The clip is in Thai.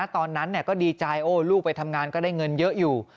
ตอนนั้นก็ดีใจลูกไปทำงานก็ได้เงินเยอะอยู่